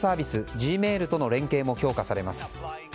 Ｇｍａｉｌとの連携も強化されます。